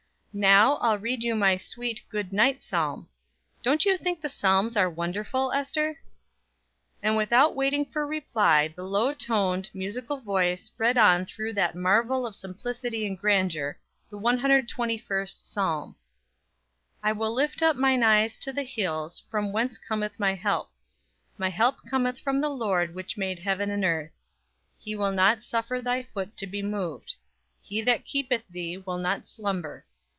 Now I'll read you my sweet good night Psalm. Don't you think the Psalms are wonderful, Ester?" And without waiting for reply the low toned, musical voice read on through that marvel of simplicity and grandeur, the 121st Psalm: "I will lift up mine eyes unto the hills, from whence cometh my help. My help cometh from the Lord which made heaven and earth. He will not suffer thy foot to be moved: he that keepeth thee will not slumber.